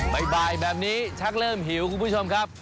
บ่ายแบบนี้ชักเริ่มหิวคุณผู้ชมครับ